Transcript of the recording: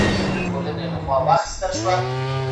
هغه د حرمسرای لپاره له ارمنستان څخه نجونې راغوښتلې.